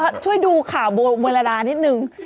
ช่วยดูข่าวโบมีราดานิดนึง